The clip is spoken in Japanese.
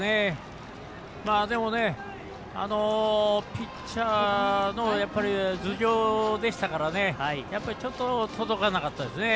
ピッチャーの頭上でしたから届かなかったですね。